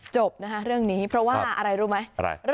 จบนะคะเรื่องนี้เพราะว่าอะไรรู้ไหม